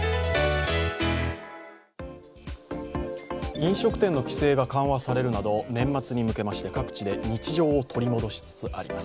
飲食店の規制が緩和されるなど年末に向けまして各地で日常を取り戻しつつあります。